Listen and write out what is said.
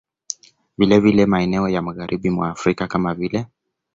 Vilevile maeneo ya Magharibi mwa Afrika kama vile